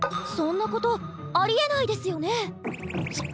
そんなことありえないですよね？